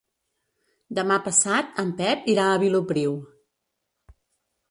Demà passat en Pep irà a Vilopriu.